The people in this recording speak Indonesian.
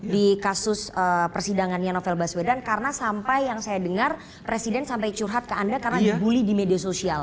di kasus persidangannya novel baswedan karena sampai yang saya dengar presiden sampai curhat ke anda karena dibully di media sosial